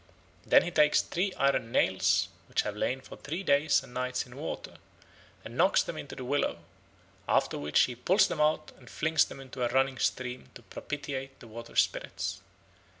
Then he takes three iron nails, which have lain for three days and nights in water, and knocks them into the willow; after which he pulls them out and flings them into a running stream to propitiate the water spirits.